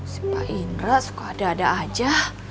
si pak indra suka ada ada aja